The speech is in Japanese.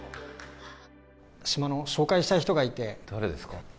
島の紹介したい人がいて誰ですか？